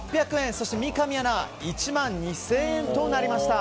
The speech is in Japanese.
そして三上アナが１万２０００円となりました。